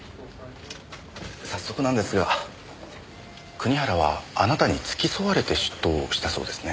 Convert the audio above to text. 早速なんですが国原はあなたに付き添われて出頭したそうですね？